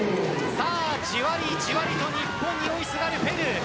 じわりじわりと日本に追いすがるペルー。